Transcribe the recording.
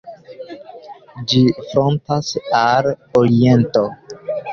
Ĝi frontas al oriento.